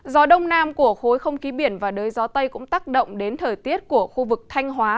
gió đông nam của khối không ký biển và đới gió tây cũng tác động đến thời tiết của khu vực thanh hóa